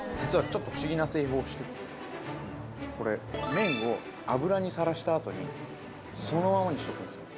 麺を油にさらしたあとにそのままにしとくんですよ